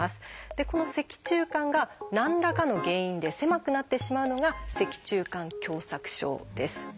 でこの脊柱管が何らかの原因で狭くなってしまうのが「脊柱管狭窄症」です。